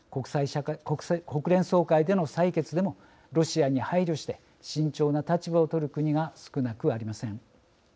国連総会での採決でもロシアに配慮して慎重な立場を取る国が少なくありません。